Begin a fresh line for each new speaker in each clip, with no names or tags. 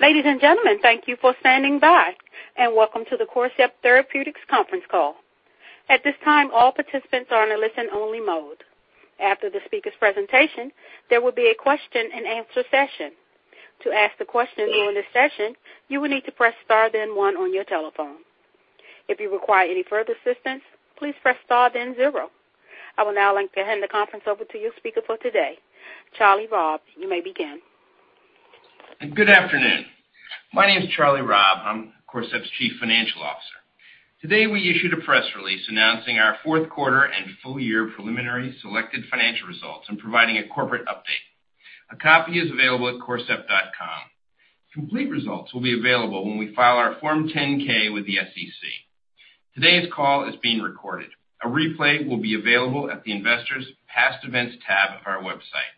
Ladies and gentlemen, thank you for standing by, and welcome to the Corcept Therapeutics conference call. At this time, all participants are in a listen-only mode. After the speaker's presentation, there will be a question-and-answer session. To ask a question during the session, you will need to press star then one on your telephone. If you require any further assistance, please press star then zero. I will now hand the conference over to your speaker for today. Charlie Robb, you may begin.
Good afternoon. My name is Charlie Robb. I'm Corcept's Chief Financial Officer. Today, we issued a press release announcing our fourth quarter and full year preliminary selected financial results and providing a corporate update. A copy is available at corcept.com. Complete results will be available when we file our Form 10-K with the SEC. Today's call is being recorded. A replay will be available at the Investors, Past Events tab of our website.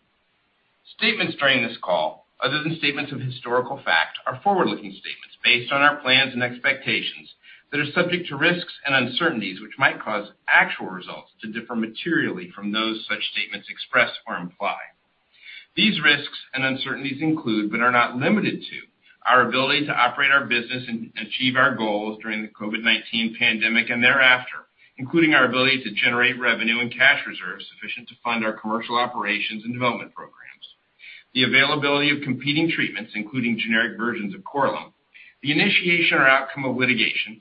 Statements during this call, other than statements of historical fact, are forward-looking statements based on our plans and expectations that are subject to risks and uncertainties, which might cause actual results to differ materially from those such statements expressed or imply. These risks and uncertainties include, but are not limited to, our ability to operate our business and achieve our goals during the COVID-19 pandemic and thereafter, including our ability to generate revenue and cash reserves sufficient to fund our commercial operations and development programs, the availability of competing treatments, including generic versions of Korlym, the initiation or outcome of litigation,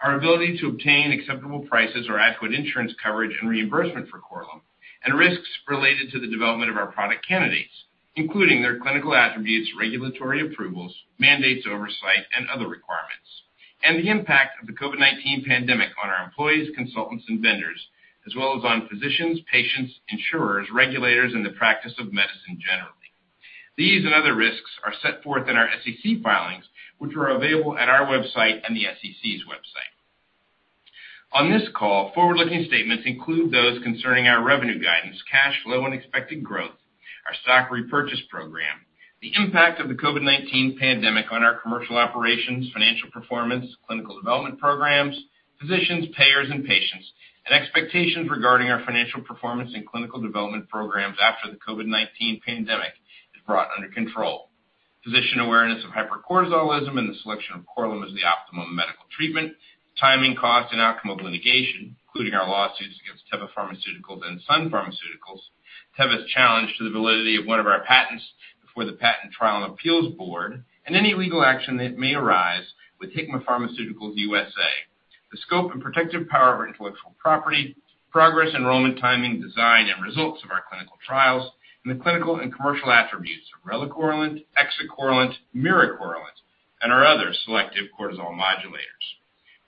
our ability to obtain acceptable prices or adequate insurance coverage and reimbursement for Korlym, and risks related to the development of our product candidates, including their clinical attributes, regulatory approvals, mandates, oversight, and other requirements, and the impact of the COVID-19 pandemic on our employees, consultants, and vendors, as well as on physicians, patients, insurers, regulators, and the practice of medicine generally. These and other risks are set forth in our SEC filings, which are available at our website and the SEC's website. On this call, forward-looking statements include those concerning our revenue guidance, cash flow and expected growth, our stock repurchase program, the impact of the COVID-19 pandemic on our commercial operations, financial performance, clinical development programs, physicians, payers, and patients, and expectations regarding our financial performance and clinical development programs after the COVID-19 pandemic is brought under control. Physician awareness of hypercortisolism and the selection of Korlym as the optimum medical treatment, timing, cost, and outcome of litigation, including our lawsuits against Teva Pharmaceuticals and Sun Pharmaceuticals, Teva's challenge to the validity of one of our patents before the Patent Trial and Appeal Board, and any legal action that may arise with Hikma Pharmaceuticals USA. The scope and protective power of our intellectual property, progress, enrollment, timing, design, and results of our clinical trials, and the clinical and commercial attributes of relacorilant, exicorilant, miricorilant, and our other selective cortisol modulators.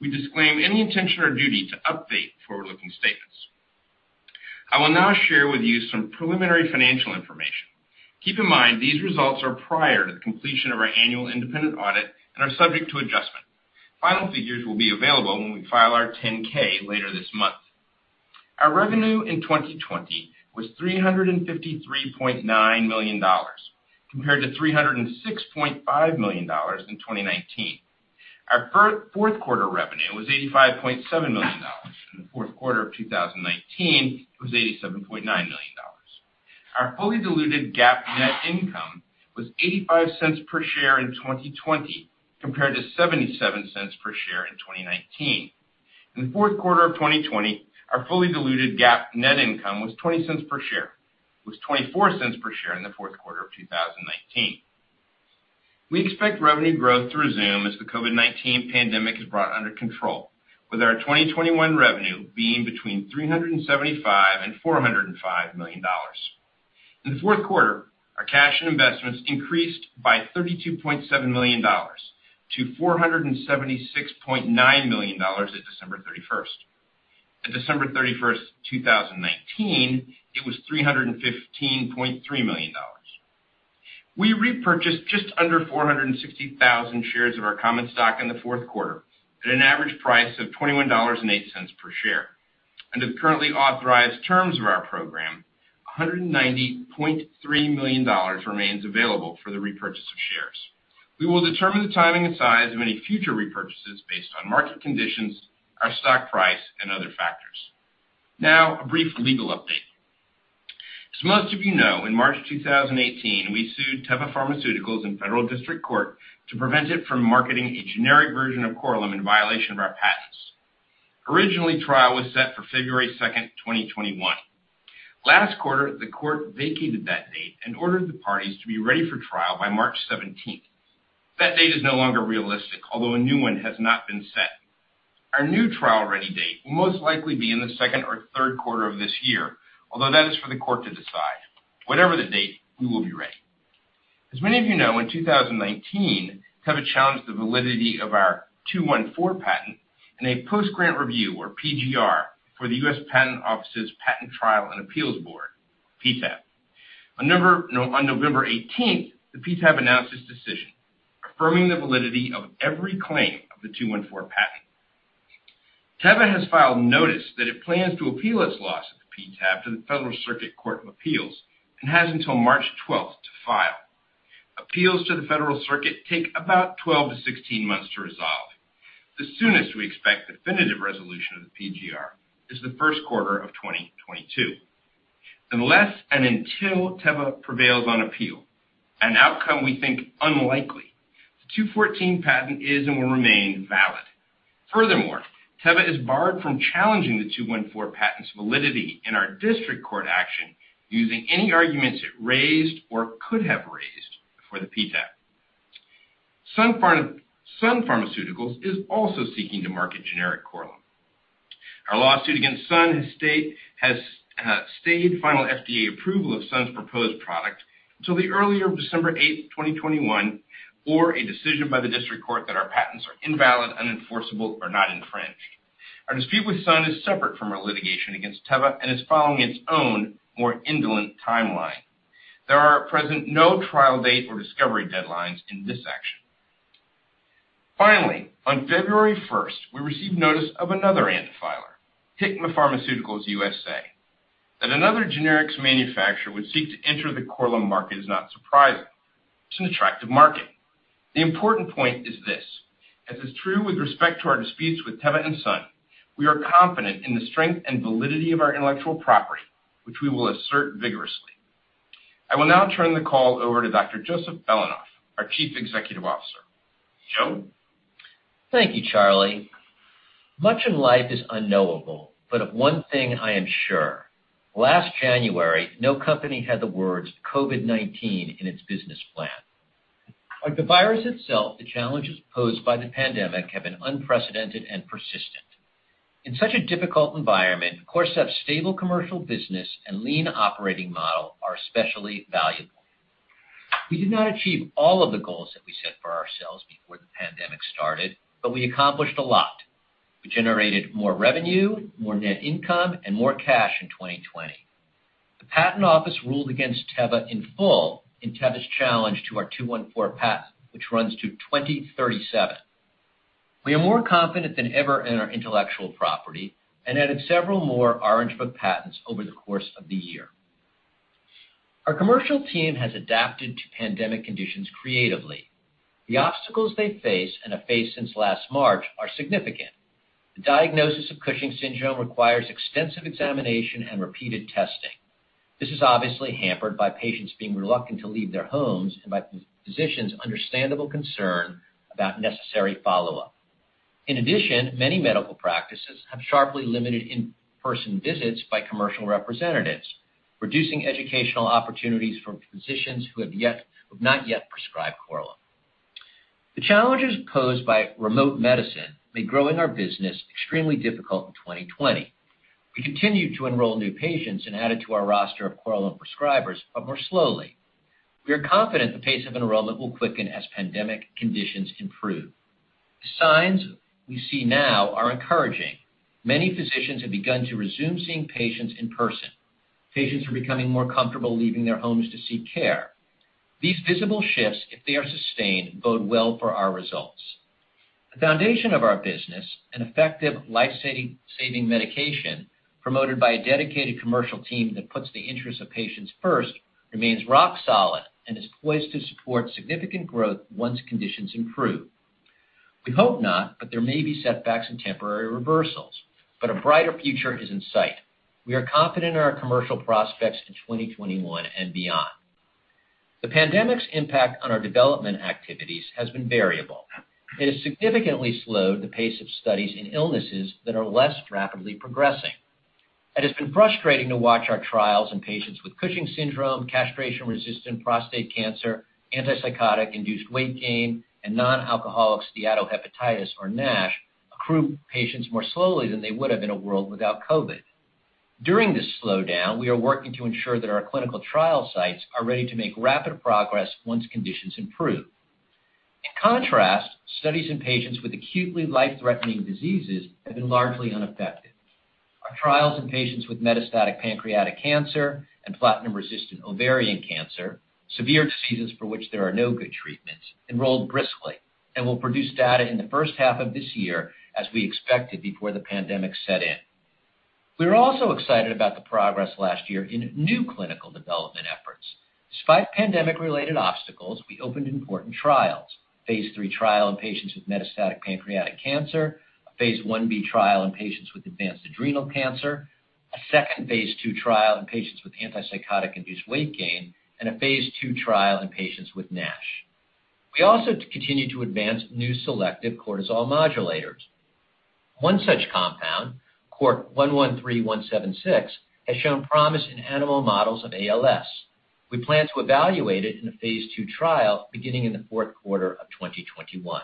We disclaim any intention or duty to update forward-looking statements. I will now share with you some preliminary financial information. Keep in mind, these results are prior to the completion of our annual independent audit and are subject to adjustment. Final figures will be available when we file our 10-K later this month. Our revenue in 2020 was $353.9 million compared to $306.5 million in 2019. Our fourth quarter revenue was $85.7 million. In the fourth quarter of 2019, it was $87.9 million. Our fully diluted GAAP net income was $0.85 per share in 2020, compared to $0.77 per share in 2019. In the fourth quarter of 2020, our fully diluted GAAP net income was $0.20 per share. It was $0.24 per share in the fourth quarter of 2019. We expect revenue growth to resume as the COVID-19 pandemic is brought under control. With our 2021 revenue being between $375 million-$405 million. In the fourth quarter, our cash and investments increased by $32.7 million to $476.9 million at December 31st. At December 31st, 2019, it was $315.3 million. We repurchased just under 460,000 shares of our common stock in the fourth quarter at an average price of $21.08 per share. Under the currently authorized terms of our program, $190.3 million remains available for the repurchase of shares. We will determine the timing and size of any future repurchases based on market conditions, our stock price, and other factors. Now, a brief legal update. As most of you know, in March 2018, we sued Teva Pharmaceuticals in federal district court to prevent it from marketing a generic version of Korlym in violation of our patents. Originally, trial was set for February 2nd, 2021. Last quarter, the court vacated that date and ordered the parties to be ready for trial by March 17th. That date is no longer realistic, although a new one has not been set. Our new trial-ready date will most likely be in the second or third quarter of this year, although that is for the court to decide. Whatever the date, we will be ready. As many of you know, in 2019, Teva challenged the validity of our 214 patent in a post-grant review or PGR for the U.S. Patent Office's Patent Trial and Appeal Board, PTAB. On November 18th, the PTAB announced its decision, affirming the validity of every claim of the 214 patent. Teva has filed notice that it plans to appeal its loss at the PTAB to the Federal Circuit Court of Appeals and has until March 12th to file. Appeals to the Federal Circuit take about 12-16 months to resolve. The soonest we expect definitive resolution of the PGR is the first quarter of 2022. Unless and until Teva prevails on appeal, an outcome we think unlikely, the 214 patent is and will remain valid. Furthermore, Teva is barred from challenging the 214 patent's validity in our district court action using any arguments it raised or could have raised before the PTAB. Sun Pharmaceuticals is also seeking to market generic Korlym. Our lawsuit against Sun has stayed final FDA approval of Sun's proposed product until the earlier of December 8, 2021, or a decision by the district court that our patents are invalid, unenforceable, or not infringed. Our dispute with Sun is separate from our litigation against Teva and is following its own more indolent timeline. There are at present no trial date or discovery deadlines in this action. Finally, on February 1st, we received notice of another ANDA filer, Hikma Pharmaceuticals USA. That another generics manufacturer would seek to enter the Korlym market is not surprising. It's an attractive market. The important point is this: as is true with respect to our disputes with Teva and Sun, we are confident in the strength and validity of our intellectual property, which we will assert vigorously. I will now turn the call over to Dr. Joseph Belanoff, our Chief Executive Officer. Joseph?
Thank you, Charlie. Much in life is unknowable, but of one thing I am sure: last January, no company had the words COVID-19 in its business plan. Like the virus itself, the challenges posed by the pandemic have been unprecedented and persistent. In such a difficult environment, Corcept's stable commercial business and lean operating model are especially valuable. We did not achieve all of the goals that we set for ourselves before the pandemic started, but we accomplished a lot. We generated more revenue, more net income, and more cash in 2020. The Patent Office ruled against Teva in full in Teva's challenge to our 214 patent, which runs to 2037. We are more confident than ever in our intellectual property and added several more Orange Book patents over the course of the year. Our commercial team has adapted to pandemic conditions creatively. The obstacles they face, and have faced since last March, are significant. The diagnosis of Cushing's syndrome requires extensive examination and repeated testing. This is obviously hampered by patients being reluctant to leave their homes and by physicians' understandable concern about necessary follow-up. In addition, many medical practices have sharply limited in-person visits by commercial representatives, reducing educational opportunities for physicians who have not yet prescribed Korlym. The challenges posed by remote medicine made growing our business extremely difficult in 2020. We continued to enroll new patients and added to our roster of Korlym prescribers, but more slowly. We are confident the pace of enrollment will quicken as pandemic conditions improve. The signs we see now are encouraging. Many physicians have begun to resume seeing patients in person. Patients are becoming more comfortable leaving their homes to seek care. These visible shifts, if they are sustained, bode well for our results. The foundation of our business, an effective life-saving medication promoted by a dedicated commercial team that puts the interests of patients first, remains rock solid and is poised to support significant growth once conditions improve. We hope not, there may be setbacks and temporary reversals. A brighter future is in sight. We are confident in our commercial prospects in 2021 and beyond. The pandemic's impact on our development activities has been variable. It has significantly slowed the pace of studies in illnesses that are less rapidly progressing. It has been frustrating to watch our trials in patients with Cushing's syndrome, castration-resistant prostate cancer, antipsychotic-induced weight gain, and non-alcoholic steatohepatitis, or NASH, accrue patients more slowly than they would have in a world without COVID. During this slowdown, we are working to ensure that our clinical trial sites are ready to make rapid progress once conditions improve. In contrast, studies in patients with acutely life-threatening diseases have been largely unaffected. Our trials in patients with metastatic pancreatic cancer and platinum-resistant ovarian cancer, severe diseases for which there are no good treatments, enrolled briskly and will produce data in the first half of this year as we expected before the pandemic set in. We are also excited about the progress last year in new clinical development efforts. Despite pandemic-related obstacles, we opened important trials. A phase III trial in patients with metastatic pancreatic cancer, a phase I-B trial in patients with advanced adrenal cancer, a second phase II trial in patients with antipsychotic-induced weight gain, and a phase II trial in patients with NASH. We also continue to advance new selective cortisol modulators. One such compound, CORT113176, has shown promise in animal models of ALS. We plan to evaluate it in a phase II trial beginning in the fourth quarter of 2021.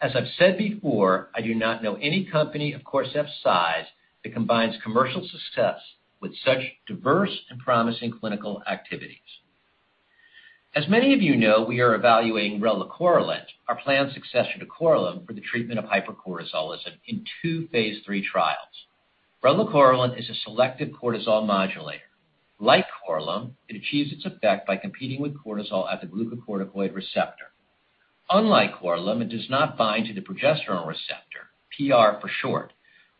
As I've said before, I do not know any company of Corcept's size that combines commercial success with such diverse and promising clinical activities. As many of you know, we are evaluating relacorilant, our planned successor to Korlym, for the treatment of hypercortisolism in two phase III trials. Relacorilant is a selective cortisol modulator. Like Korlym, it achieves its effect by competing with cortisol at the glucocorticoid receptor. Unlike Korlym, it does not bind to the progesterone receptor, PR for short,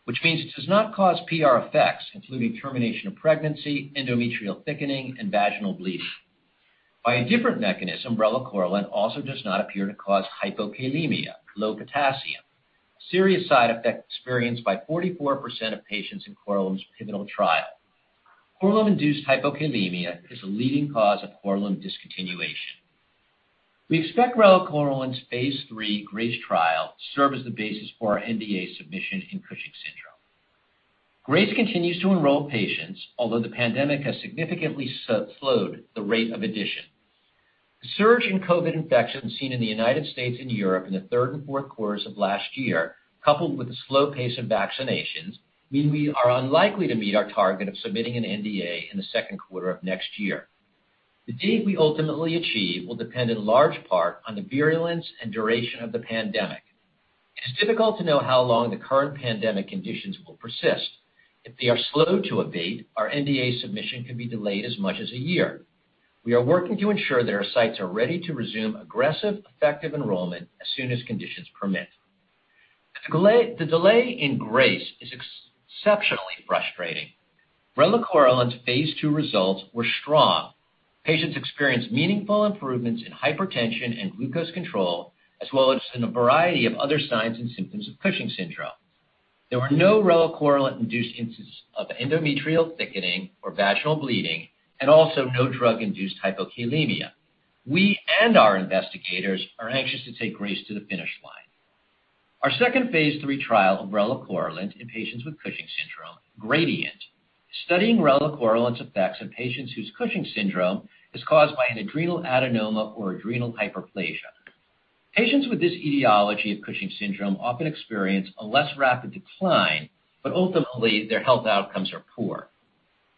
which means it does not cause PR effects, including termination of pregnancy, endometrial thickening, and vaginal bleeding. By a different mechanism, relacorilant also does not appear to cause hypokalemia, low potassium, a serious side effect experienced by 44% of patients in Korlym's pivotal trial. Korlym-induced hypokalemia is a leading cause of Korlym discontinuation. We expect relacorilant's phase III GRACE trial to serve as the basis for our NDA submission in Cushing's syndrome. GRACE continues to enroll patients, although the pandemic has significantly slowed the rate of addition. The surge in COVID infections seen in the U.S. and Europe in the third and fourth quarters of last year, coupled with the slow pace of vaccinations, mean we are unlikely to meet our target of submitting an NDA in the second quarter of next year. The date we ultimately achieve will depend in large part on the virulence and duration of the pandemic. It is difficult to know how long the current pandemic conditions will persist. If they are slow to abate, our NDA submission could be delayed as much as a year. We are working to ensure that our sites are ready to resume aggressive, effective enrollment as soon as conditions permit. The delay in GRACE is exceptionally frustrating. Relacorilant's phase II results were strong. Patients experienced meaningful improvements in hypertension and glucose control, as well as in a variety of other signs and symptoms of Cushing's syndrome. There were no relacorilant-induced instances of endometrial thickening or vaginal bleeding, and also no drug-induced hypokalemia. We and our investigators are anxious to take GRACE to the finish line. Our second phase III trial of relacorilant in patients with Cushing's syndrome, GRADIENT, is studying relacorilant's effects in patients whose Cushing's syndrome is caused by an adrenal adenoma or adrenal hyperplasia. Patients with this etiology of Cushing's syndrome often experience a less rapid decline, but ultimately, their health outcomes are poor.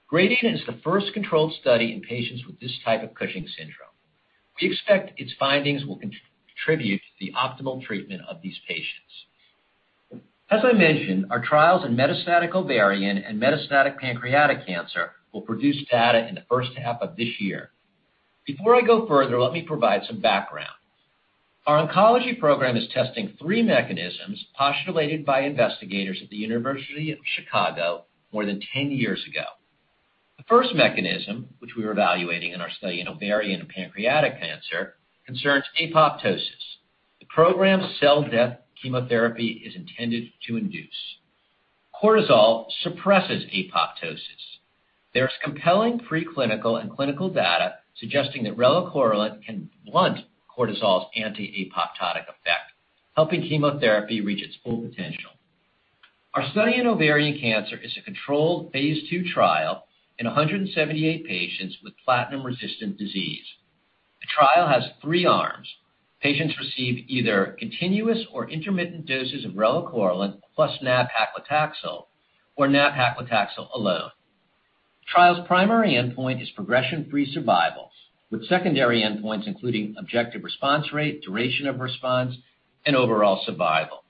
GRADIENT is the first controlled study in patients with this type of Cushing's syndrome. We expect its findings will contribute to the optimal treatment of these patients. As I mentioned, our trials in metastatic ovarian and metastatic pancreatic cancer will produce data in the first half of this year. Before I go further, let me provide some background. Our oncology program is testing three mechanisms postulated by investigators at the University of Chicago more than 10 years ago. The first mechanism, which we are evaluating in our study in ovarian and pancreatic cancer, concerns apoptosis, the program of cell death chemotherapy is intended to induce. Cortisol suppresses apoptosis. There is compelling pre-clinical and clinical data suggesting that relacorilant can blunt cortisol's anti-apoptotic effect, helping chemotherapy reach its full potential. Our study in ovarian cancer is a controlled phase II trial in 178 patients with platinum-resistant disease. The trial has three arms. Patients receive either continuous or intermittent doses of relacorilant plus nab-paclitaxel or nab-paclitaxel alone. The trial's primary endpoint is progression-free survival, with secondary endpoints including objective response rate, duration of response, and overall survival.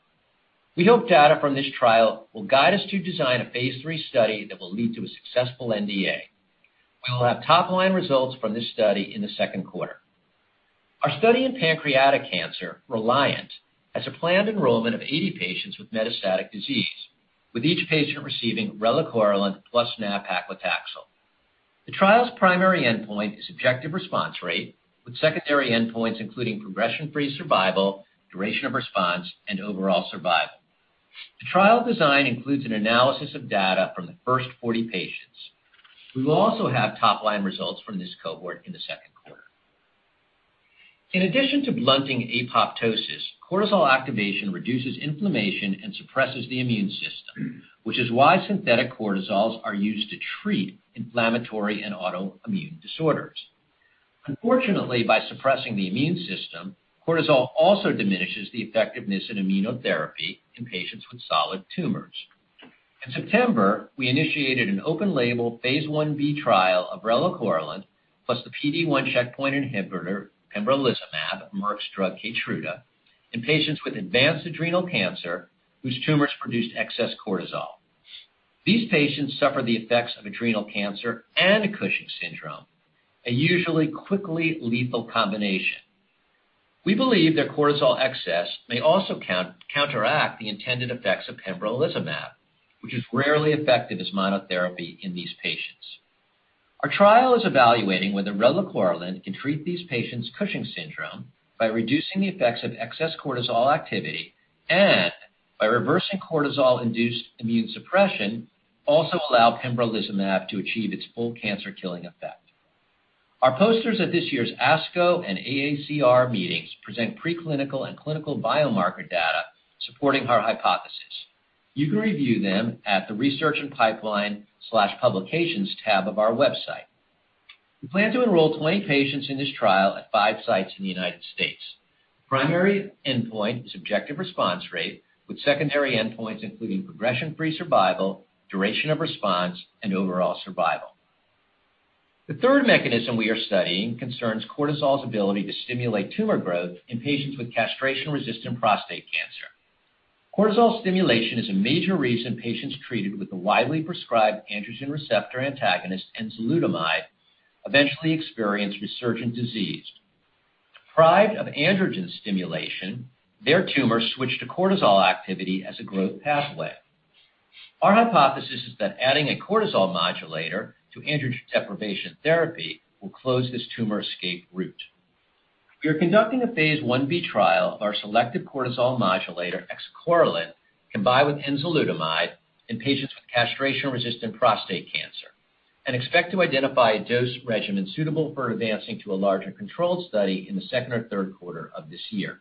We hope data from this trial will guide us to design a phase III study that will lead to a successful NDA. We will have top-line results from this study in the second quarter. Our study in pancreatic cancer, RELIANT, has a planned enrollment of 80 patients with metastatic disease, with each patient receiving relacorilant plus nab-paclitaxel. The trial's primary endpoint is objective response rate, with secondary endpoints including progression-free survival, duration of response, and overall survival. The trial design includes an analysis of data from the first 40 patients. We will also have top-line results from this cohort in the second quarter. In addition to blunting apoptosis, cortisol activation reduces inflammation and suppresses the immune system, which is why synthetic cortisols are used to treat inflammatory and autoimmune disorders. Unfortunately, by suppressing the immune system, cortisol also diminishes the effectiveness of immunotherapy in patients with solid tumors. In September, we initiated an open-label phase I-B trial of relacorilant plus the PD-1 checkpoint inhibitor pembrolizumab, Merck's drug KEYTRUDA, in patients with advanced adrenal cancer whose tumors produced excess cortisol. These patients suffer the effects of adrenal cancer and Cushing's syndrome, a usually quickly lethal combination. We believe their cortisol excess may also counteract the intended effects of pembrolizumab, which is rarely effective as monotherapy in these patients. Our trial is evaluating whether relacorilant can treat these patients' Cushing's syndrome by reducing the effects of excess cortisol activity and, by reversing cortisol-induced immune suppression, also allow pembrolizumab to achieve its full cancer-killing effect. Our posters at this year's ASCO and AACR meetings present pre-clinical and clinical biomarker data supporting our hypothesis. You can review them at the Research and Pipeline/Publications tab of our website. We plan to enroll 20 patients in this trial at five sites in the United States. The primary endpoint is objective response rate, with secondary endpoints including progression-free survival, duration of response, and overall survival. The third mechanism we are studying concerns cortisol's ability to stimulate tumor growth in patients with castration-resistant prostate cancer. Cortisol stimulation is a major reason patients treated with the widely prescribed androgen receptor antagonist enzalutamide eventually experience resurgent disease. Deprived of androgen stimulation, their tumor switched to cortisol activity as a growth pathway. Our hypothesis is that adding a cortisol modulator to androgen deprivation therapy will close this tumor escape route. We are conducting a phase I-B trial of our selective cortisol modulator, exicorilant, combined with enzalutamide in patients with castration-resistant prostate cancer, and expect to identify a dose regimen suitable for advancing to a larger controlled study in the second or third quarter of this year.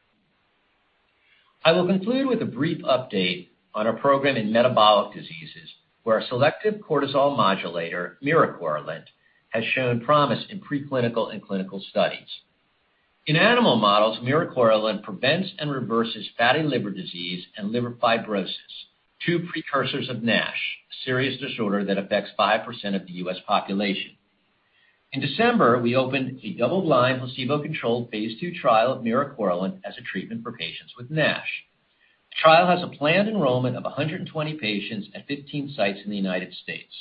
I will conclude with a brief update on our program in metabolic diseases, where our selective cortisol modulator, miricorilant, has shown promise in pre-clinical and clinical studies. In animal models, miricorilant prevents and reverses fatty liver disease and liver fibrosis, two precursors of NASH, a serious disorder that affects 5% of the U.S. population. In December, we opened a double-blind, placebo-controlled phase II trial of miricorilant as a treatment for patients with NASH. The trial has a planned enrollment of 120 patients at 15 sites in the United States.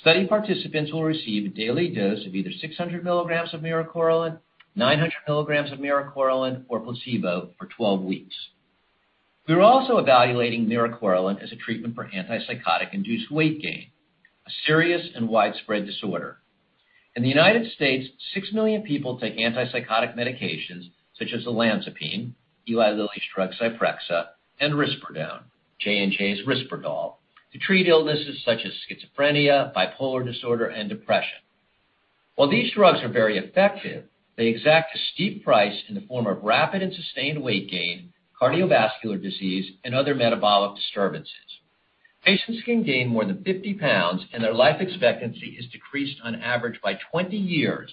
Study participants will receive a daily dose of either 600 milligrams of miricorilant, 900 milligrams of miricorilant, or placebo for 12 weeks. We are also evaluating miricorilant as a treatment for antipsychotic-induced weight gain, a serious and widespread disorder. In the United States, 6 million people take antipsychotic medications such as olanzapine, Eli Lilly's drug ZYPREXA, and risperidone, J&J's RISPERDAL, to treat illnesses such as schizophrenia, bipolar disorder, and depression. While these drugs are very effective, they exact a steep price in the form of rapid and sustained weight gain, cardiovascular disease, and other metabolic disturbances. Patients can gain more than 50 pounds, and their life expectancy is decreased on average by 20 years,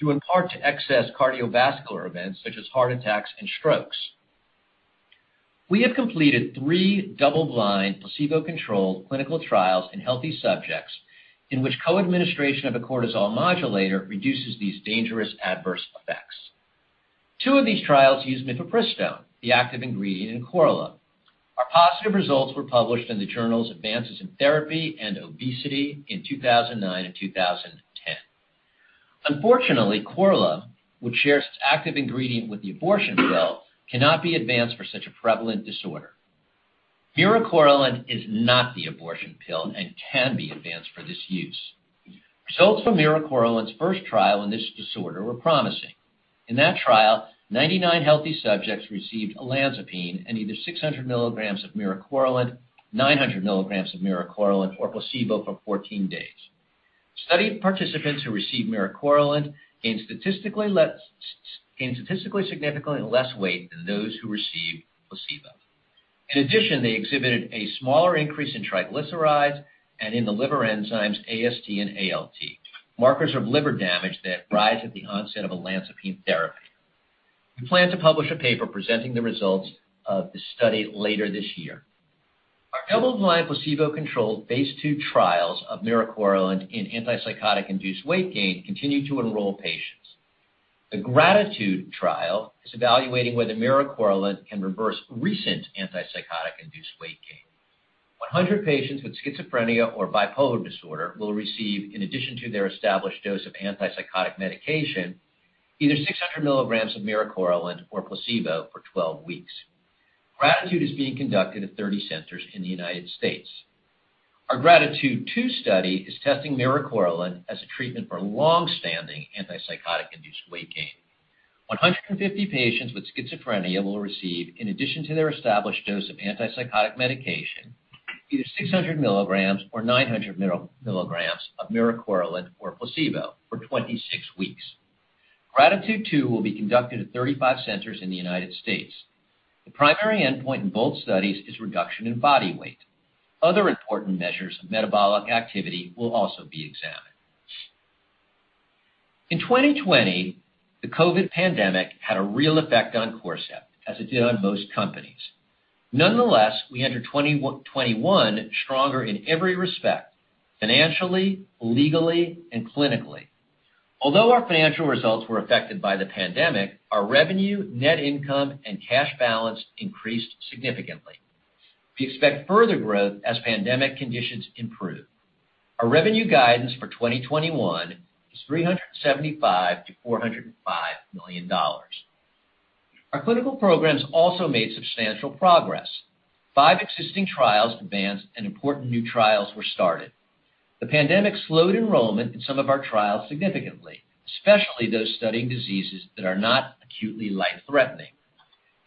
due in part to excess cardiovascular events such as heart attacks and strokes. We have completed three double-blind, placebo-controlled clinical trials in healthy subjects in which co-administration of a cortisol modulator reduces these dangerous adverse effects. Two of these trials used mifepristone, the active ingredient in Korlym. Our positive results were published in the journals Advances in Therapy and Obesity in 2009 and 2010. Unfortunately, Korlym, which shares its active ingredient with the abortion pill, cannot be advanced for such a prevalent disorder. Miricorilant is not the abortion pill and can be advanced for this use. Results from miricorilant's first trial in this disorder were promising. In that trial, 99 healthy subjects received olanzapine and either 600 milligrams of miricorilant, 900 milligrams of miricorilant, or placebo for 14 days. Study participants who received miricorilant gained statistically significantly less weight than those who received placebo. In addition, they exhibited a smaller increase in triglycerides and in the liver enzymes AST and ALT, markers of liver damage that rise at the onset of olanzapine therapy. We plan to publish a paper presenting the results of this study later this year. Our double-blind, placebo-controlled phase II trials of miricorilant in antipsychotic-induced weight gain continue to enroll patients. The GRATITUDE trial is evaluating whether miricorilant can reverse recent antipsychotic-induced weight gain. 100 patients with schizophrenia or bipolar disorder will receive, in addition to their established dose of antipsychotic medication, either 600 milligrams of miricorilant or placebo for 12 weeks. GRATITUDE is being conducted at 30 centers in the United States. Our GRATITUDE II study is testing miricorilant as a treatment for longstanding antipsychotic-induced weight gain. 150 patients with schizophrenia will receive, in addition to their established dose of antipsychotic medication, either 600 milligrams or 900 milligrams of miricorilant or placebo for 26 weeks. GRATITUDE II will be conducted at 35 centers in the U.S. The primary endpoint in both studies is reduction in body weight. Other important measures of metabolic activity will also be examined. In 2020, the COVID pandemic had a real effect on Corcept, as it did on most companies. Nonetheless, we entered 2021 stronger in every respect: financially, legally, and clinically. Although our financial results were affected by the pandemic, our revenue, net income, and cash balance increased significantly. We expect further growth as pandemic conditions improve. Our revenue guidance for 2021 is $375 million-$405 million. Our clinical programs also made substantial progress. Five existing trials advanced, and important new trials were started. The pandemic slowed enrollment in some of our trials significantly, especially those studying diseases that are not acutely life-threatening.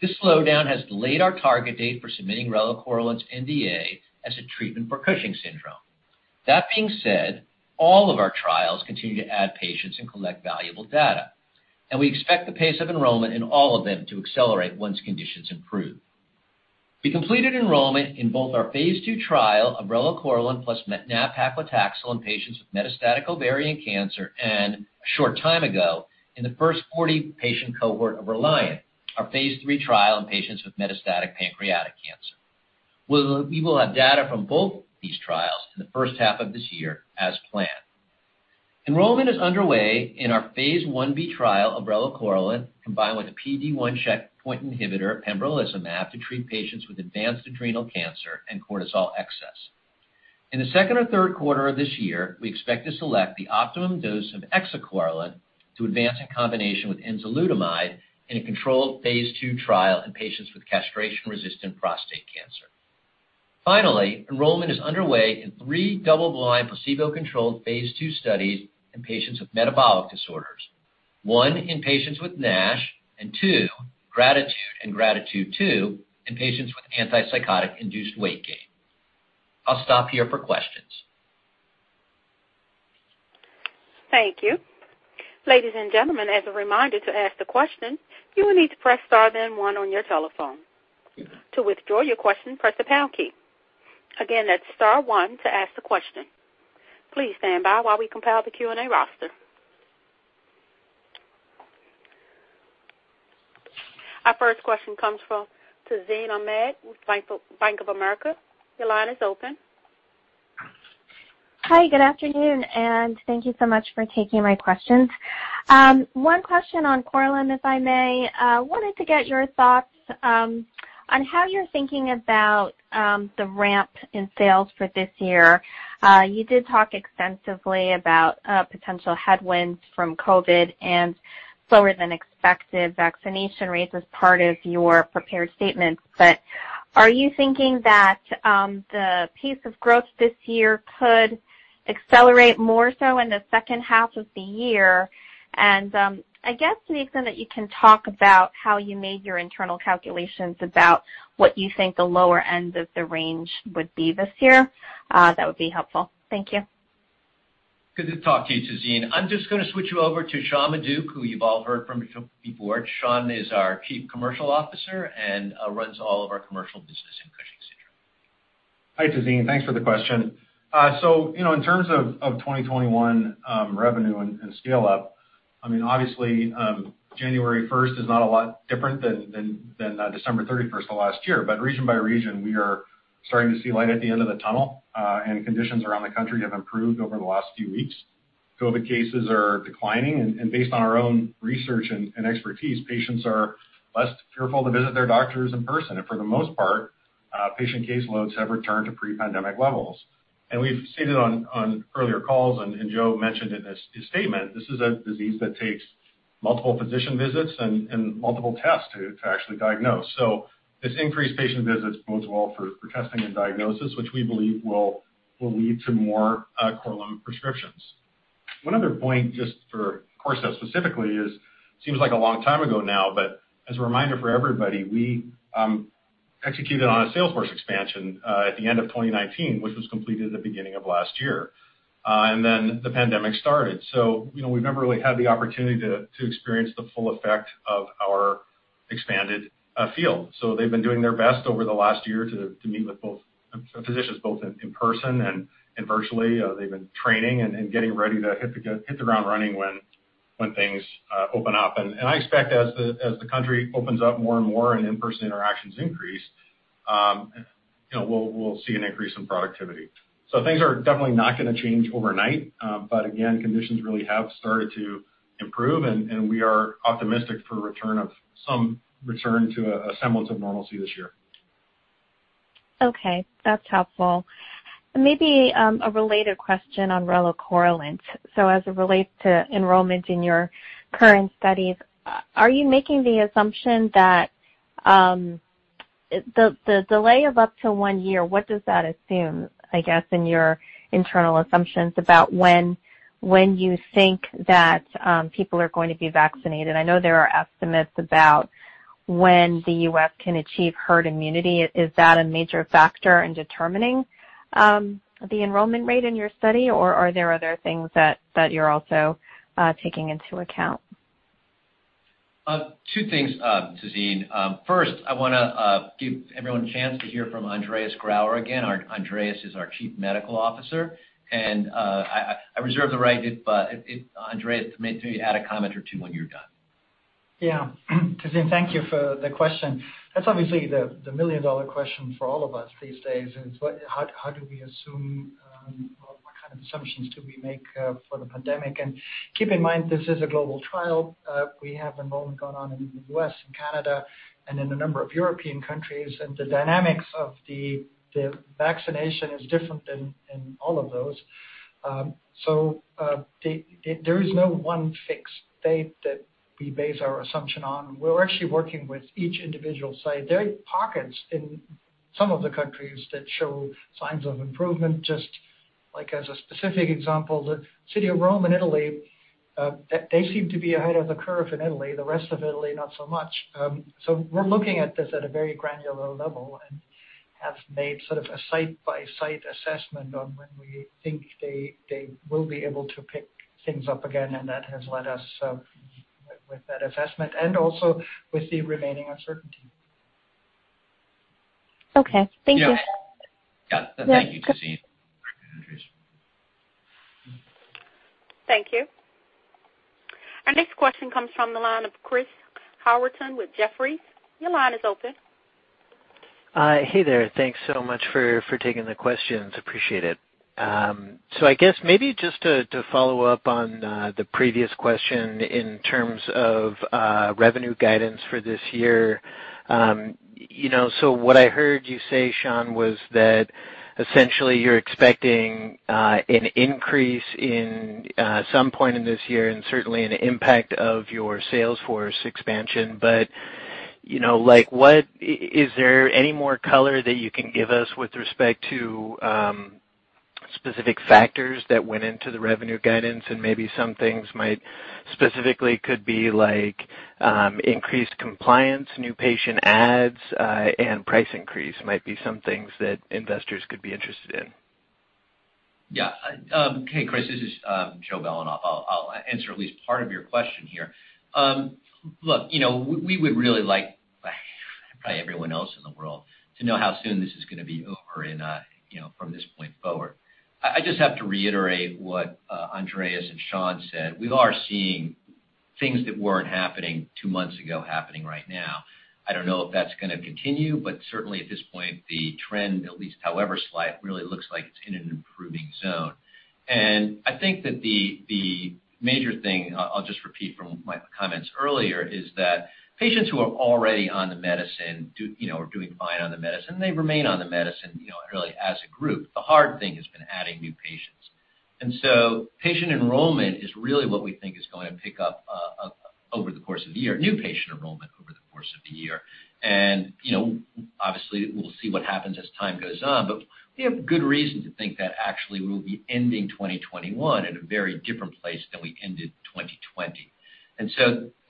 This slowdown has delayed our target date for submitting relacorilant's NDA as a treatment for Cushing's syndrome. That being said, all of our trials continue to add patients and collect valuable data, and we expect the pace of enrollment in all of them to accelerate once conditions improve. We completed enrollment in both our phase II trial of relacorilant plus nab-paclitaxel in patients with metastatic ovarian cancer and, a short time ago, in the first 40-patient cohort of RELIANT, our phase III trial in patients with metastatic pancreatic cancer. We will have data from both these trials in the first half of this year as planned. Enrollment is underway in our phase I-B trial of relacorilant combined with the PD-1 checkpoint inhibitor pembrolizumab to treat patients with advanced adrenal cancer and cortisol excess. In the second or third quarter of this year, we expect to select the optimum dose of exicorilant to advance in combination with enzalutamide in a controlled phase II trial in patients with castration-resistant prostate cancer. Finally, enrollment is underway in three double-blind, placebo-controlled phase II studies in patients with metabolic disorders. One in patients with NASH, and two, GRATITUDE and GRATITUDE II, in patients with antipsychotic-induced weight gain. I'll stop here for questions.
Thank you. Ladies and gentlemen, as a reminder, to ask the question, you will need to press star then one on your telephone. Our first question comes from Tazeen Ahmad with Bank of America. Your line is open.
Hi, good afternoon, and thank you so much for taking my questions. One question on Korlym, if I may. Wanted to get your thoughts on how you're thinking about the ramp in sales for this year. You did talk extensively about potential headwinds from COVID and slower than expected vaccination rates as part of your prepared statements. Are you thinking that the pace of growth this year could accelerate more so in the second half of the year? I guess to the extent that you can talk about how you made your internal calculations about what you think the lower end of the range would be this year that would be helpful. Thank you.
Good to talk to you, Tazeen. I'm just going to switch you over to Sean Maduck, who you've all heard from before. Sean is our Chief Commercial Officer and runs all of our commercial business in Cushing's syndrome.
Hi, Tazeen. Thanks for the question. In terms of 2021 revenue and scale up, obviously, January 1st is not a lot different than December 31st of last year. Region by region, we are starting to see light at the end of the tunnel, and conditions around the country have improved over the last few weeks. COVID cases are declining, and based on our own research and expertise, patients are less fearful to visit their doctors in person. For the most part, patient caseloads have returned to pre-pandemic levels. We've stated on earlier calls, and Joseph mentioned in his statement, this is a disease that takes multiple physician visits and multiple tests to actually diagnose. This increased patient visits bodes well for testing and diagnosis, which we believe will lead to more Korlym prescriptions. One other point, just for Corcept specifically, is it seems like a long time ago now, but as a reminder for everybody, we executed on a salesforce expansion at the end of 2019, which was completed at the beginning of last year. The pandemic started. We've never really had the opportunity to experience the full effect of our expanded field. They've been doing their best over the last year to meet with physicians both in person and virtually. They've been training and getting ready to hit the ground running when things open up. I expect as the country opens up more and more and in-person interactions increase, we'll see an increase in productivity. Things are definitely not going to change overnight. Again, conditions really have started to improve, and we are optimistic for some return to a semblance of normalcy this year.
Okay. That's helpful. Maybe a related question on relacorilant. As it relates to enrollment in your current studies, are you making the assumption that the delay of up to one year, what does that assume, I guess, in your internal assumptions about when you think that people are going to be vaccinated? I know there are estimates about when the U.S. can achieve herd immunity. Is that a major factor in determining the enrollment rate in your study, or are there other things that you're also taking into account?
Two things, Tazeen. First, I want to give everyone a chance to hear from Andreas Grauer again. Andreas is our chief medical officer, and I reserve the right, Andreas, maybe add a comment or two when you're done.
Tazeen, thank you for the question. That's obviously the million-dollar question for all of us these days is, what kind of assumptions do we make for the pandemic? Keep in mind, this is a global trial. We have enrollment going on in the U.S. and Canada and in a number of European countries, the dynamics of the vaccination is different in all of those. There is no one fixed date that we base our assumption on. We're actually working with each individual site. There are pockets in some of the countries that show signs of improvement. Just like as a specific example, the city of Rome in Italy, they seem to be ahead of the curve in Italy. The rest of Italy, not so much. We're looking at this at a very granular level and have made sort of a site-by-site assessment on when we think they will be able to pick things up again, and that has led us with that assessment and also with the remaining uncertainty.
Okay. Thank you.
Yeah. Thank you, Tazeen. Andreas.
Thank you. Our next question comes from the line of Chris Howerton with Jefferies. Your line is open.
Hey there. Thanks so much for taking the questions. Appreciate it. I guess maybe just to follow up on the previous question in terms of revenue guidance for this year. What I heard you say, Sean Maduck, was that essentially you're expecting an increase in some point in this year and certainly an impact of your sales force expansion. Is there any more color that you can give us with respect to specific factors that went into the revenue guidance? Maybe some things might specifically could be increased compliance, new patient adds, and price increase might be some things that investors could be interested in.
Yeah. Hey, Chris, this is Joseph Belanoff. I'll answer at least part of your question here. Look, we would really like, probably everyone else in the world, to know how soon this is going to be over from this point forward. I just have to reiterate what Andreas and Sean said. We are seeing things that weren't happening two months ago happening right now. I don't know if that's going to continue, certainly at this point, the trend, at least however slight, really looks like it's in an improving zone. I think that the major thing, I'll just repeat from my comments earlier, is that patients who are already on the medicine, are doing fine on the medicine, they remain on the medicine early as a group. The hard thing has been adding new patients. Patient enrollment is really what we think is going to pick up over the course of the year, new patient enrollment over the course of the year. Obviously we'll see what happens as time goes on, but we have good reason to think that actually we'll be ending 2021 at a very different place than we ended 2020.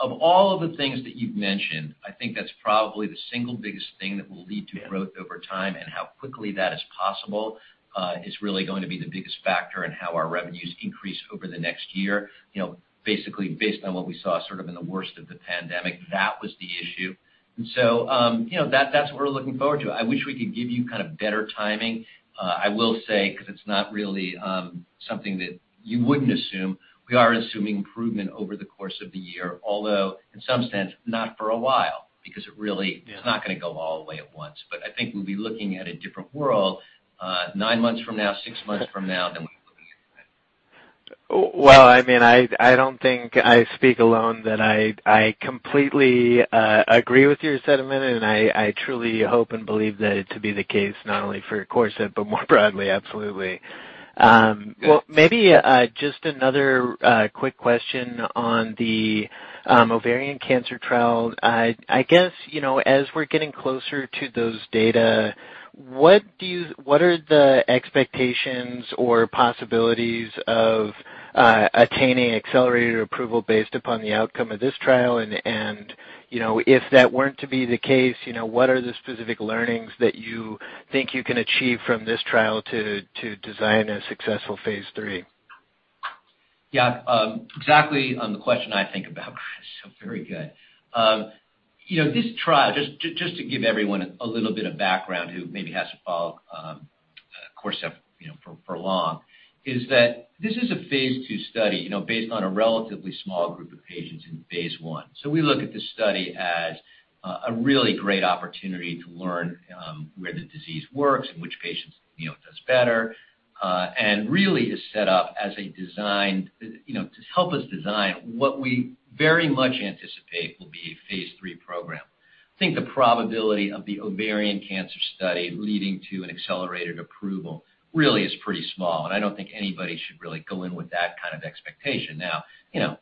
Of all of the things that you've mentioned, I think that's probably the single biggest thing that will lead to growth over time, and how quickly that is possible, is really going to be the biggest factor in how our revenues increase over the next year. Basically based on what we saw sort of in the worst of the pandemic, that was the issue. That's what we're looking forward to. I wish we could give you better timing. I will say, because it's not really something that you wouldn't assume, we are assuming improvement over the course of the year, although in some sense, not for a while, because it really.
Yeah.
Is not going to go all away at once. I think we'll be looking at a different world nine months from now, six months from now than we were looking at then.
Well, I don't think I speak alone that I completely agree with your sentiment. I truly hope and believe that it to be the case, not only for Corcept, but more broadly, absolutely.
Yeah.
Well, maybe just another quick question on the ovarian cancer trial. I guess, as we're getting closer to those data, what are the expectations or possibilities of attaining accelerated approval based upon the outcome of this trial? If that weren't to be the case, what are the specific learnings that you think you can achieve from this trial to design a successful phase III?
Yeah. Exactly on the question I think about, Chris, very good. This trial, just to give everyone a little bit of background who maybe hasn't followed Corcept for long, is that this is a phase II study based on a relatively small group of patients in phase I. We look at this study as a really great opportunity to learn where the disease works, in which patients it does better, and really is set up to help us design what we very much anticipate will be a phase III program. I think the probability of the ovarian cancer study leading to an accelerated approval really is pretty small, and I don't think anybody should really go in with that kind of expectation. Now,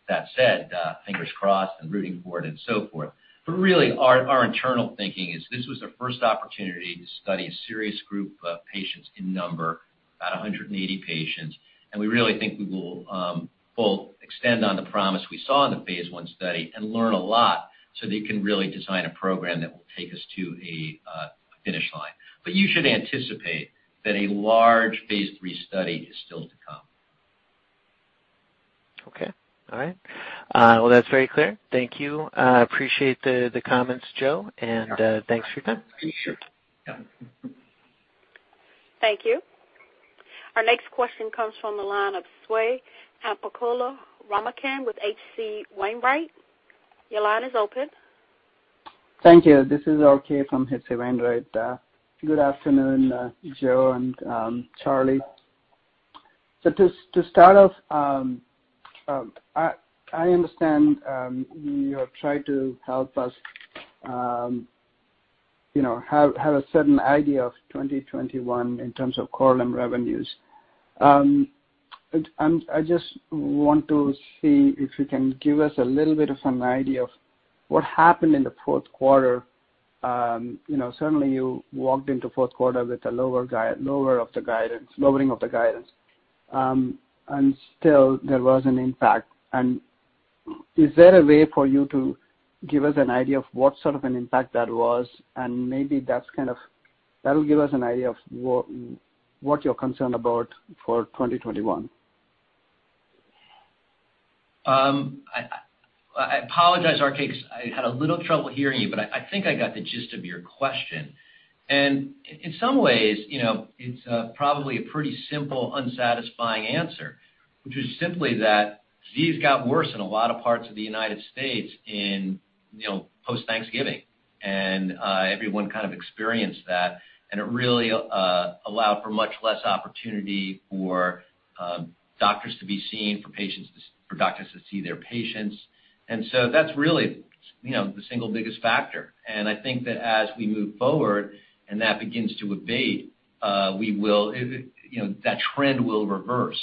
that said, fingers crossed and rooting for it and so forth, but really our internal thinking is this was the first opportunity to study a serious group of patients in number, about 180 patients, and we really think we will both extend on the promise we saw in the phase I study and learn a lot so that we can really design a program that will take us to a finish line. But you should anticipate that a large phase III study is still to come.
Okay. All right. Well, that's very clear. Thank you. Appreciate the comments, Joseph, and thanks for your time.
Sure. Yeah.
Thank you. Our next question comes from the line of Swayampakula Ramakanth with H.C. Wainwright. Your line is open.
Thank you. This is Swayampakula Ramakanth from H.C. Wainwright. Good afternoon, Joseph and Charlie. To start off, I understand you have tried to help us have a certain idea of 2021 in terms of Korlym revenues. I just want to see if you can give us a little bit of an idea of what happened in the fourth quarter. Certainly you walked into fourth quarter with a lowering of the guidance, and still there was an impact. Is there a way for you to give us an idea of what sort of an impact that was? Maybe that'll give us an idea of what you're concerned about for 2021.
I apologize, Swayampakula Ramakanth, because I had a little trouble hearing you, but I think I got the gist of your question. In some ways, it's probably a pretty simple, unsatisfying answer, which is simply that disease got worse in a lot of parts of the U.S. post-Thanksgiving. Everyone kind of experienced that, and it really allowed for much less opportunity for doctors to be seen, for doctors to see their patients. That's really the single biggest factor. I think that as we move forward and that begins to abate, that trend will reverse.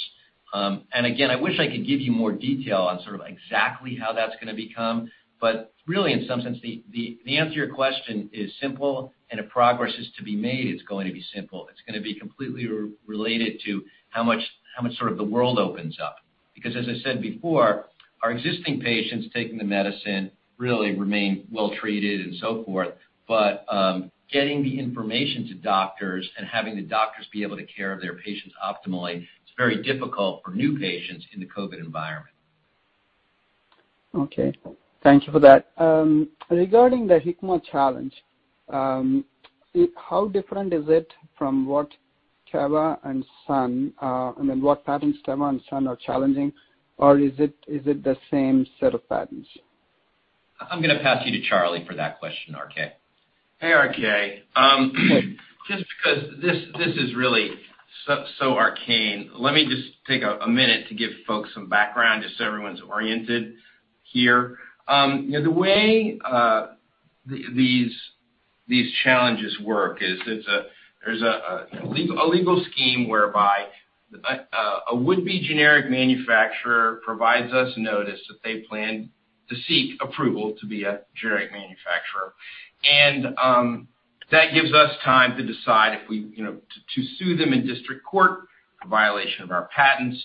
Again, I wish I could give you more detail on sort of exactly how that's going to become. Really, in some sense, the answer to your question is simple, and if progress is to be made, it's going to be simple. It's going to be completely related to how much the world opens up, because, as I said before, our existing patients taking the medicine really remain well treated and so forth. Getting the information to doctors and having the doctors be able to care of their patients optimally, it's very difficult for new patients in the COVID environment.
Okay. Thank you for that. Regarding the Hikma challenge, how different is it from what Teva and Sun, and what patents Teva and Sun are challenging? Or is it the same set of patents?
I'm going to pass you to Charlie for that question, Swayampakula Ramakanth.
Hey, Swayampakula Ramakanth. Just because this is really so arcane, let me just take a minute to give folks some background just so everyone's oriented here. The way these challenges work is there's a legal scheme whereby a would-be generic manufacturer provides us notice that they plan to seek approval to be a generic manufacturer. That gives us time to decide to sue them in district court for violation of our patents,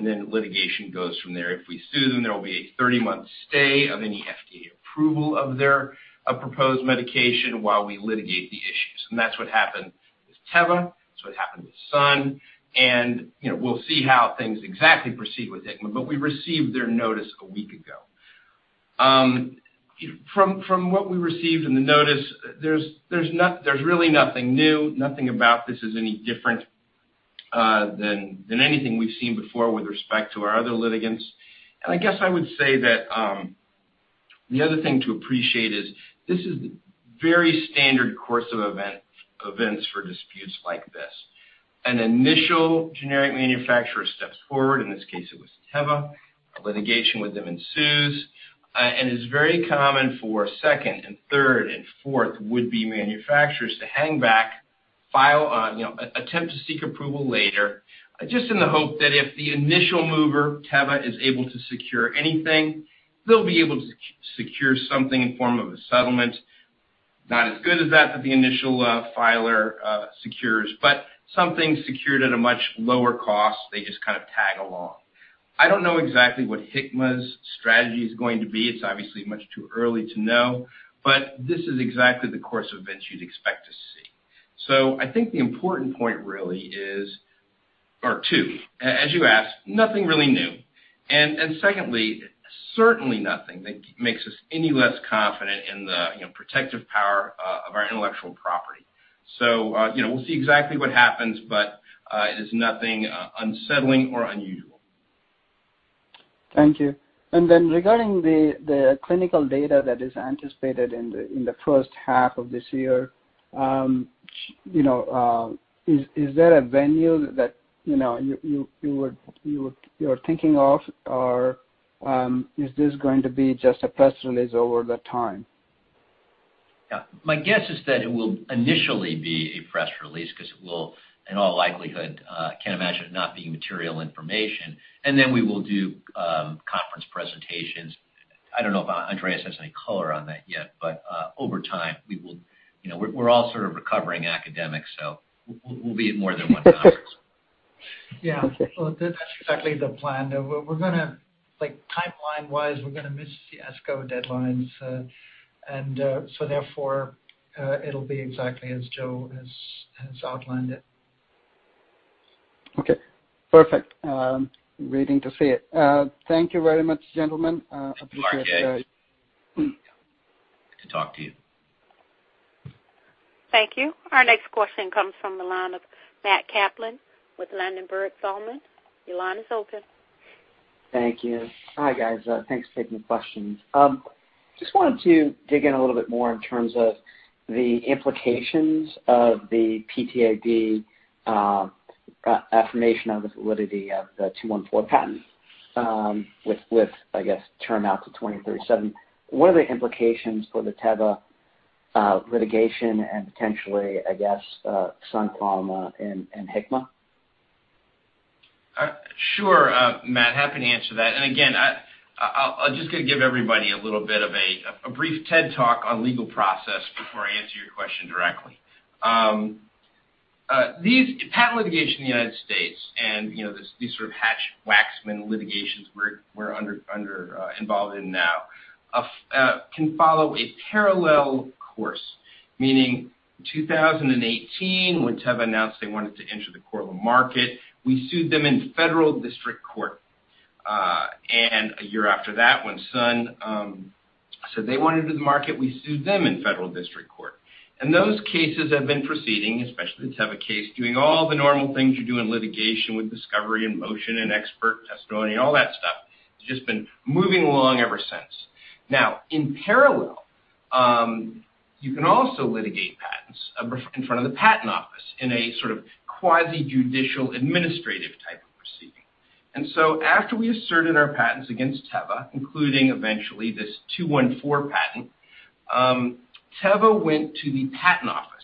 the litigation goes from there. If we sue them, there will be a 30-month stay of any FDA approval of their proposed medication while we litigate the issues. That's what happened with Teva. That's what happened with Sun. We'll see how things exactly proceed with Hikma, we received their notice a week ago. From what we received in the notice, there's really nothing new. Nothing about this is any different than anything we've seen before with respect to our other litigants. I guess I would say that the other thing to appreciate is this is the very standard course of events for disputes like this. An initial generic manufacturer steps forward. In this case, it was Teva. A litigation with them ensues. It's very common for second and third and fourth would-be manufacturers to hang back, attempt to seek approval later, just in the hope that if the initial mover, Teva, is able to secure anything, they'll be able to secure something in form of a settlement. Not as good as that that the initial filer secures, but something secured at a much lower cost. They just kind of tag along. I don't know exactly what Hikma's strategy is going to be. It's obviously much too early to know, but this is exactly the course of events you'd expect to see. I think the important point really is, or two, as you asked, nothing really new. Secondly, certainly nothing that makes us any less confident in the protective power of our intellectual property. We'll see exactly what happens, but it is nothing unsettling or unusual.
Thank you. Regarding the clinical data that is anticipated in the first half of this year, is there a venue that you are thinking of, or is this going to be just a press release over the time?
Yeah. My guess is that it will initially be a press release because it will, in all likelihood, can't imagine it not being material information. We will do conference presentations. I don't know if Andreas has any color on that yet, over time, we're all sort of recovering academics, so we'll be at more than one conference.
Yeah. Well, that's exactly the plan. Timeline-wise, we're going to miss the ASCO deadlines. Therefore, it'll be exactly as Joseph has outlined it.
Okay, perfect. I'm waiting to see it. Thank you very much, gentlemen. I appreciate it.
Thank you, Swayampakula Ramakanth. Good to talk to you.
Thank you. Our next question comes from the line of Matt Kaplan with Ladenburg Thalmann. Your line is open.
Thank you. Hi, guys. Thanks for taking the questions. Wanted to dig in a little bit more in terms of the implications of the PTAB affirmation of the validity of the 214 patent with, I guess, term out to 2037. What are the implications for the Teva litigation and potentially, I guess, Sun Pharma and Hikma?
Sure. Matt, happy to answer that. Again, I'm just going to give everybody a little bit of a brief TED Talk on legal process before I answer your question directly. Patent litigation in the U.S. and these sort of Hatch-Waxman litigations we're involved in now, can follow a parallel course. Meaning in 2018, when Teva announced they wanted to enter the Korlym market, we sued them in federal district court. A year after that, when Sun said they wanted to do the market, we sued them in federal district court. Those cases have been proceeding, especially the Teva case, doing all the normal things you do in litigation with discovery and motion and expert testimony and all that stuff. It's just been moving along ever since. Now, in parallel, you can also litigate patents in front of the patent office in a sort of quasi-judicial, administrative type of proceeding. After we asserted our patents against Teva, including eventually this 214 patent, Teva went to the patent office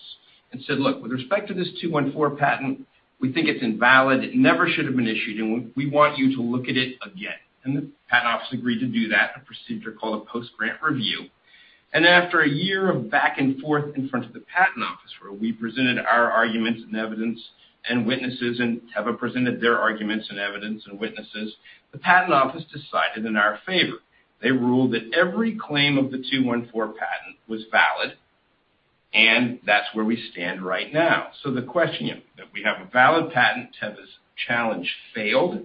and said, "Look, with respect to this 214 patent, we think it's invalid, it never should have been issued, and we want you to look at it again." The patent office agreed to do that, a procedure called a post-grant review. After a year of back and forth in front of the patent office, where we presented our arguments and evidence and witnesses, and Teva presented their arguments and evidence and witnesses, the patent office decided in our favor. They ruled that every claim of the 214 patent was valid, and that's where we stand right now. The question is that we have a valid patent, Teva's challenge failed.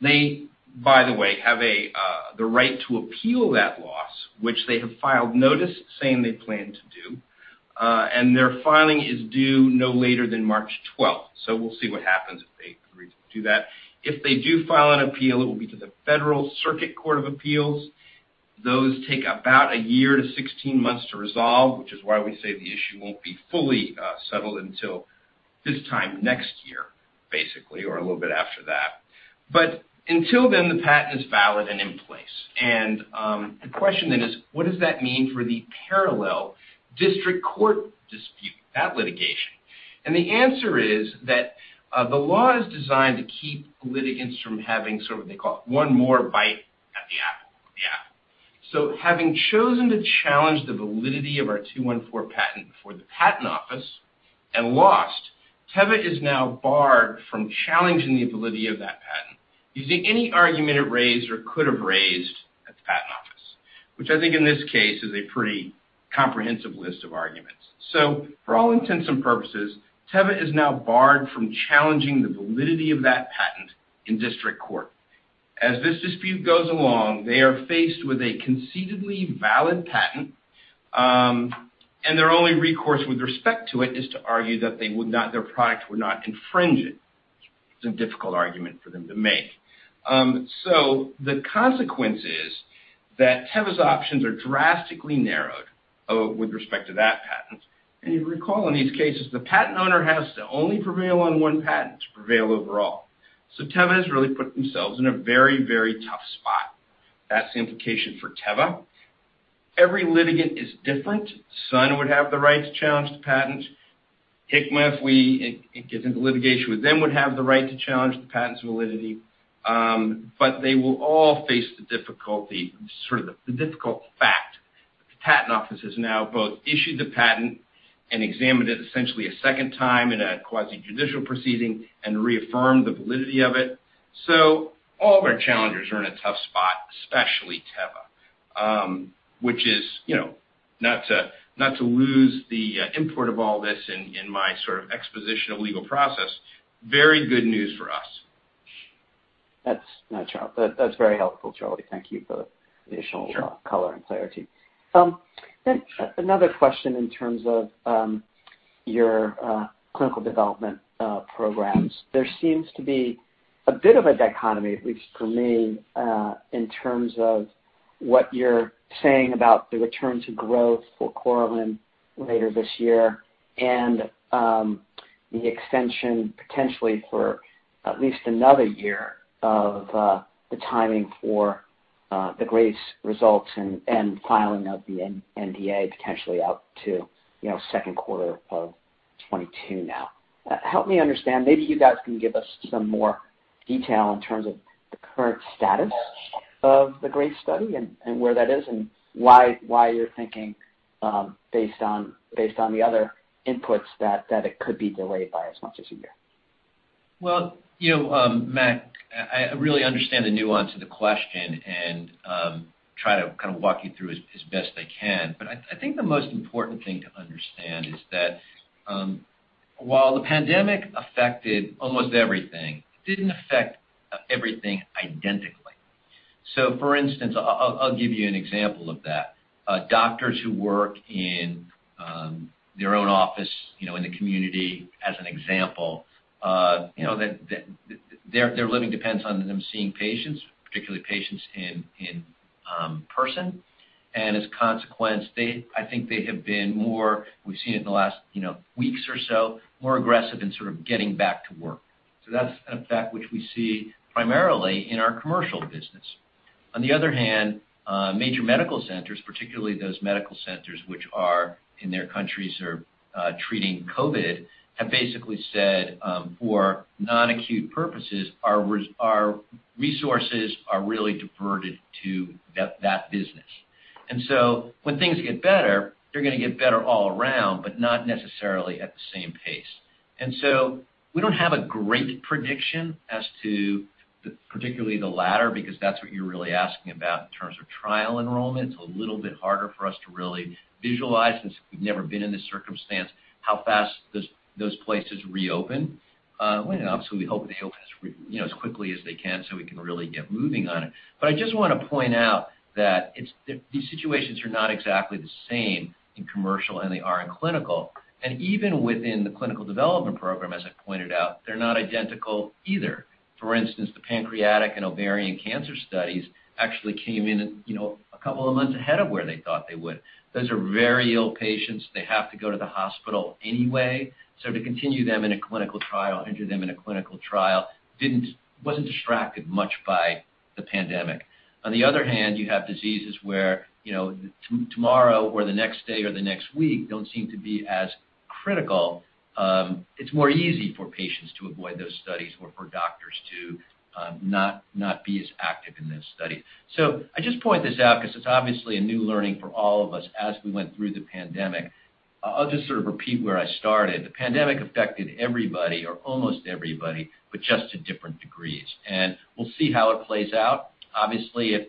They, by the way, have the right to appeal that loss, which they have filed notice saying they plan to do. Their filing is due no later than March 12th. We'll see what happens if they agree to do that. If they do file an appeal, it will be to the Federal Circuit Court of Appeals. Those take about a year to 16 months to resolve, which is why we say the issue won't be fully settled until this time next year, basically, or a little bit after that. Until then, the patent is valid and in place. The question then is, what does that mean for the parallel district court dispute, that litigation? The answer is that the law is designed to keep litigants from having sort of what they call one more bite at the apple. Having chosen to challenge the validity of our 214 patent before the patent office, and lost, Teva is now barred from challenging the validity of that patent using any argument it raised or could have raised at the patent office, which I think in this case is a pretty comprehensive list of arguments. For all intents and purposes, Teva is now barred from challenging the validity of that patent in district court. As this dispute goes along, they are faced with a concededly valid patent, and their only recourse with respect to it is to argue that their product would not infringe it. It's a difficult argument for them to make. The consequence is that Teva's options are drastically narrowed with respect to that patent. You'll recall in these cases, the patent owner has to only prevail on one patent to prevail overall. Teva has really put themselves in a very tough spot. That's the implication for Teva. Every litigant is different. Sun would have the right to challenge the patent. Hikma, if it gets into litigation with them, would have the right to challenge the patent's validity. They will all face the difficulty, sort of the difficult fact. The Patent Office has now both issued the patent and examined it essentially a second time in a quasi-judicial proceeding and reaffirmed the validity of it. All of our challengers are in a tough spot, especially Teva. Not to lose the import of all this in my sort of exposition of legal process, very good news for us.
That's very helpful, Charlie. Thank you.
Sure color and clarity.
Another question in terms of your clinical development programs. There seems to be a bit of a dichotomy, at least for me, in terms of what you're saying about the return to growth for Korlym later this year and the extension, potentially for at least another year, of the timing for the GRACE results and filing of the NDA potentially out to second quarter of 2022 now. Help me understand, maybe you guys can give us some more detail in terms of the current status of the GRACE study and where that is and why you're thinking, based on the other inputs, that it could be delayed by as much as a year.
Matt, I really understand the nuance of the question and try to kind of walk you through as best I can. I think the most important thing to understand is that while the pandemic affected almost everything, it didn't affect everything identically. For instance, I'll give you an example of that. Doctors who work in their own office, in the community as an example, their living depends on them seeing patients, particularly patients in person. As a consequence, I think they have been more, we've seen it in the last weeks or so, more aggressive in sort of getting back to work. That's an effect which we see primarily in our commercial business. On the other hand, major medical centers, particularly those medical centers which are in their countries are treating COVID, have basically said, for non-acute purposes, our resources are really diverted to that business. When things get better, they're going to get better all around, but not necessarily at the same pace. We don't have a great prediction as to particularly the latter, because that's what you're really asking about in terms of trial enrollment. It's a little bit harder for us to really visualize, since we've never been in this circumstance, how fast those places reopen. We obviously hope they open as quickly as they can so we can really get moving on it. I just want to point out that these situations are not exactly the same in commercial and they are in clinical. Even within the clinical development program, as I pointed out, they're not identical either. For instance, the pancreatic and ovarian cancer studies actually came in a couple of months ahead of where they thought they would. Those are very ill patients. They have to go to the hospital anyway. To continue them in a clinical trial, enter them in a clinical trial, wasn't distracted much by the pandemic. On the other hand, you have diseases where tomorrow or the next day or the next week don't seem to be as critical. It's more easy for patients to avoid those studies or for doctors to not be as active in those studies. I just point this out because it's obviously a new learning for all of us as we went through the pandemic. I'll just repeat where I started. The pandemic affected everybody, or almost everybody, but just to different degrees, and we'll see how it plays out. Obviously, if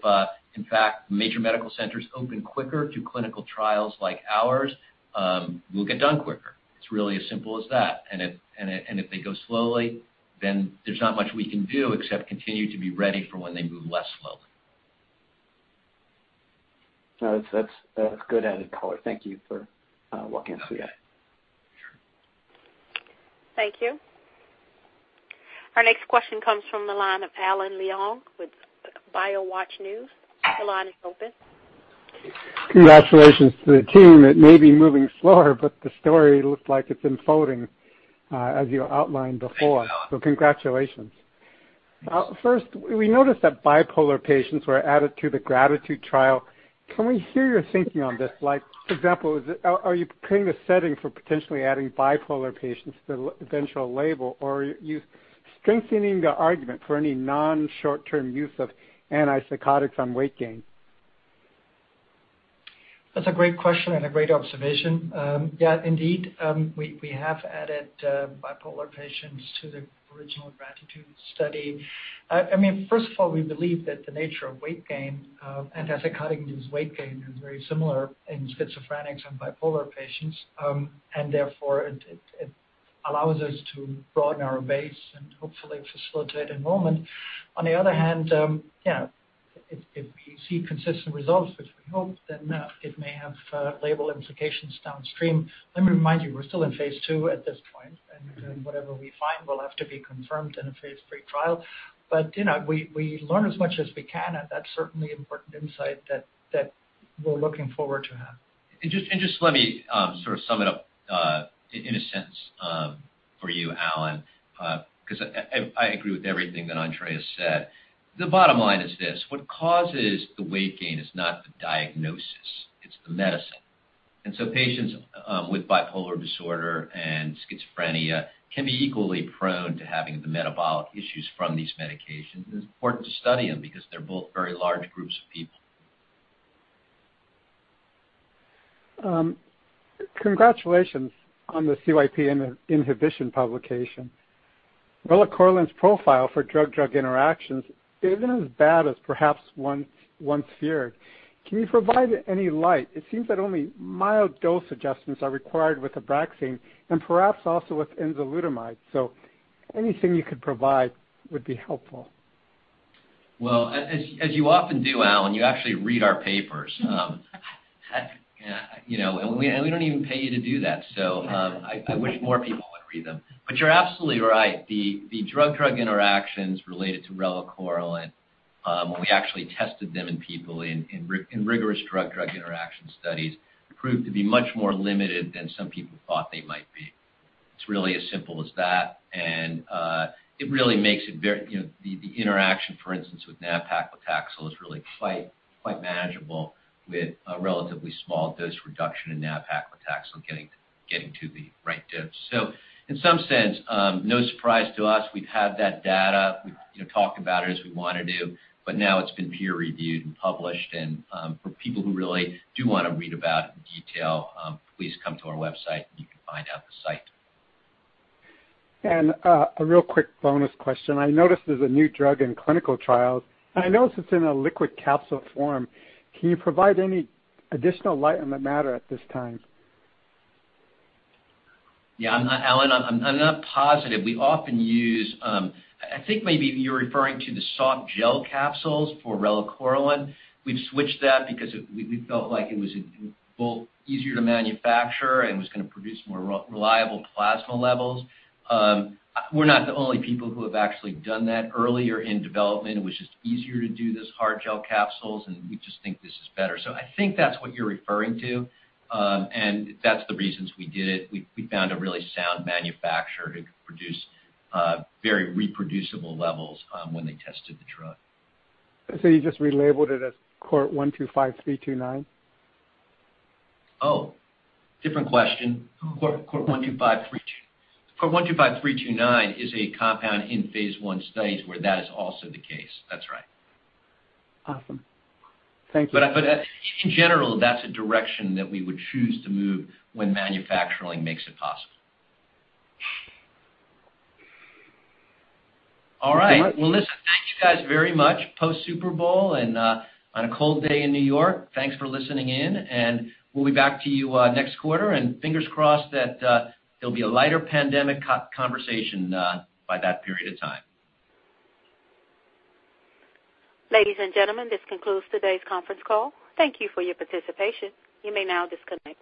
in fact major medical centers open quicker to clinical trials like ours, we'll get done quicker. It's really as simple as that. If they go slowly, then there's not much we can do except continue to be ready for when they move less slowly.
That's good added color. Thank you for walking us through that.
Thank you. Our next question comes from the line of Alan Leong with BioWatch News. Your line is open.
Congratulations to the team. It may be moving slower, the story looks like it's unfolding, as you outlined before. Congratulations. First, we noticed that bipolar patients were added to the GRATITUDE trial. Can we hear your thinking on this? For example, are you preparing the setting for potentially adding bipolar patients to the eventual label? Are you strengthening the argument for any non-short-term use of antipsychotics on weight gain?
That's a great question and a great observation. Yeah, indeed, we have added bipolar patients to the original GRATITUDE study. First of all, we believe that the nature of antipsychotic-induced weight gain is very similar in schizophrenics and bipolar patients, and therefore it allows us to broaden our base and hopefully facilitate enrollment. On the other hand, yeah, if we see consistent results, which we hope, then it may have label implications downstream. Let me remind you, we're still in phase II at this point, and whatever we find will have to be confirmed in a phase III trial. We learn as much as we can, and that's certainly important insight that we're looking forward to having.
Just let me sort of sum it up in a sense for you, Alan, because I agree with everything that Andreas has said. The bottom line is this: what causes the weight gain is not the diagnosis, it's the medicine. Patients with bipolar disorder and schizophrenia can be equally prone to having the metabolic issues from these medications, and it's important to study them because they're both very large groups of people.
Congratulations on the CYP inhibition publication. Relacorilant's profile for drug-drug interactions isn't as bad as perhaps once feared. Can you provide any light? It seems that only mild dose adjustments are required with ABRAXANE and perhaps also with enzalutamide. Anything you could provide would be helpful.
Well, as you often do, Alan, you actually read our papers. We don't even pay you to do that. I wish more people would read them. You're absolutely right. The drug-drug interactions related to relacorilant, when we actually tested them in people in rigorous drug-drug interaction studies, proved to be much more limited than some people thought they might be. It's really as simple as that. The interaction, for instance, with nab-paclitaxel is really quite manageable with a relatively small dose reduction in nab-paclitaxel, getting to the right dose. In some sense, no surprise to us. We've had that data. We've talked about it as we want to do. Now it's been peer-reviewed and published. For people who really do want to read about it in detail, please come to our website and you can find out the cite.
A real quick bonus question. I noticed there's a new drug in clinical trials, and I noticed it's in a liquid capsule form. Can you provide any additional light on the matter at this time?
Alan Leong, I'm not positive. I think maybe you're referring to the soft gel capsules for relacorilant. We've switched that because we felt like it was both easier to manufacture and was going to produce more reliable plasma levels. We're not the only people who have actually done that. Earlier in development, it was just easier to do this hard gel capsules, and we just think this is better. I think that's what you're referring to, and that's the reasons we did it. We found a really sound manufacturer who could produce very reproducible levels when they tested the drug.
You just relabeled it as CORT125329?
Oh, different question. CORT-125329 is a compound in phase I studies where that is also the case. That's right.
Awesome. Thank you.
In general, that's a direction that we would choose to move when manufacturing makes it possible. All right. Well, listen, thank you guys very much. Post Super Bowl and on a cold day in New York, thanks for listening in. We'll be back to you next quarter. Fingers crossed that there'll be a lighter pandemic conversation by that period of time.
Ladies and gentlemen, this concludes today's conference call. Thank you for your participation. You may now disconnect.